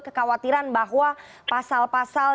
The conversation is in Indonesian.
kekhawatiran bahwa pasal pasal